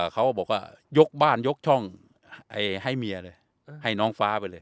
คุณหนึ่ง